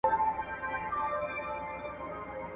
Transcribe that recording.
دروازه دي بنده کړه.